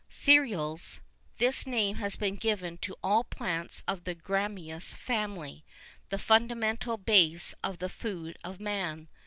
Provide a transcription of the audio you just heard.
Cereals. This name has been given to all plants of the gramineous family, the fundamental base of the food of man.